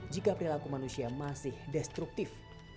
jika perilaku manusia masih destruktif